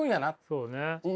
そうね。